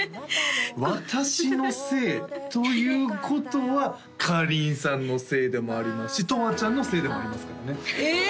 私のせいということはかりんさんのせいでもありますしとわちゃんのせいでもありますからねえ